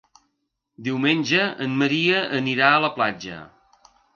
Diumenge en Maria anirà a la platja.